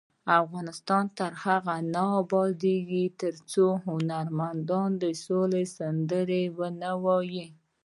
افغانستان تر هغو نه ابادیږي، ترڅو هنرمندان د سولې سندرې ونه وايي.